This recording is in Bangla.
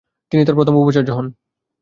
তিনি তার প্রথম উপাচার্য হন।